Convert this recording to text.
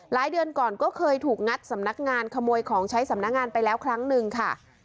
เดือนก่อนก็เคยถูกงัดสำนักงานขโมยของใช้สำนักงานไปแล้วครั้งหนึ่งค่ะ